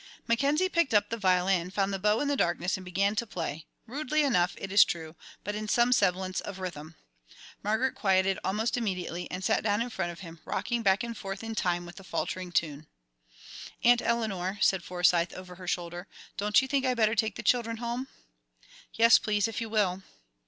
Mackenzie picked up the violin, found the bow in the darkness, and began to play rudely enough, it is true, but in some semblance of rhythm. Margaret quieted almost immediately, and sat down in front of him, rocking back and forth in time with the faltering tune. "Aunt Eleanor," said Forsyth, over her shoulder, "don't you think I'd better take the children home?" "Yes, please, if you will."